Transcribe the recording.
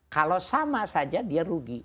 kalau sama saja dia rugi